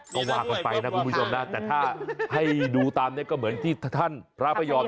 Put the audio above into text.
ก็ว่ากันไปนะคุณผู้ชมนะแต่ถ้าให้ดูตามนี้ก็เหมือนที่ท่านพระพยอม